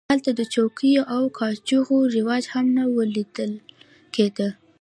هلته د چوکیو او کاچوغو رواج هم نه و لیدل کېده.